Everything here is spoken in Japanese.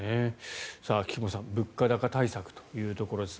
菊間さん物価高対策というところです。